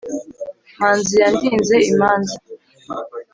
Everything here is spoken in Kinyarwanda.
manzi yandinze imanza,